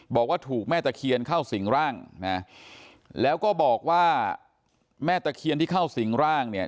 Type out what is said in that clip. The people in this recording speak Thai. บอกว่าถูกแม่ตะเคียนเข้าสิงร่างนะแล้วก็บอกว่าแม่ตะเคียนที่เข้าสิงร่างเนี่ย